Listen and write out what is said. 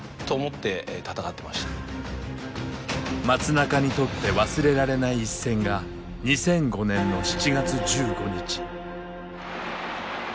松中にとって忘れられない一戦が２００５年の７月１５日。